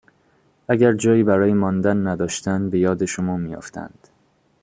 اگر جایی برای ماندن نداشتن به یاد شما می افتند،